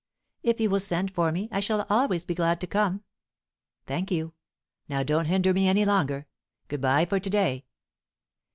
"If you will send for me, I shall always be glad to come." "Thank you. Now don't hinder me any longer. Good bye for to day."